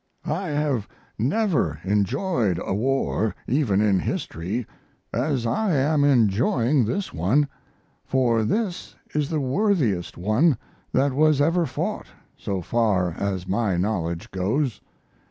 I have never enjoyed a war, even in history, as I am enjoying this one, for this is the worthiest one that was ever fought, so far as my knowledge goes.